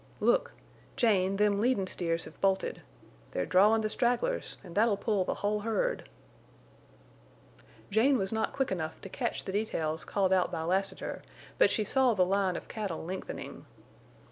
"Look!... Jane, them leadin' steers have bolted. They're drawin' the stragglers, an' that'll pull the whole herd." Jane was not quick enough to catch the details called out by Lassiter, but she saw the line of cattle lengthening.